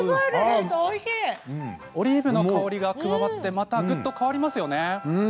オリーブの香りが加わって変わりますよね。